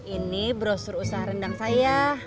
ini brosur usaha rendang saya